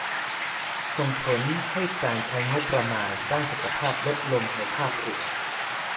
ส่งผลให้การใช้งบประมาณด้านสุขภาพลดลงในภาพรวม